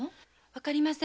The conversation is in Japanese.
わかりません。